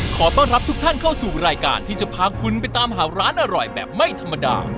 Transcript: ขอต้อนรับทุกท่านเข้าสู่รายการที่จะพาคุณไปตามหาร้านอร่อยแบบไม่ธรรมดา